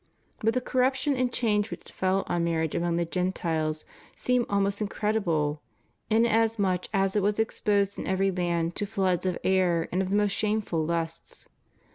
But the corruption and change which fell on marriage among the Gentiles seem almost incredible, inasmuch as it was exposed in every land to floods of error and of the most shameful lusts.